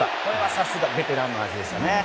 さすが、ベテランの味でしたね。